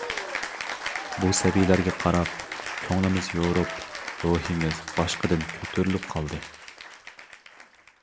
بۇ سەبىيلەرگە قاراپ كۆڭلىمىز يورۇپ، روھىمىز باشقىدىن كۆتۈرۈلۈپ قالدى.